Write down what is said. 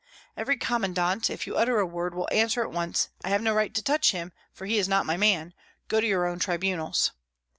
Every commandant, if you utter a word, will answer at once, 'I have no right to touch him, for he is not my man; go to your own tribunals.'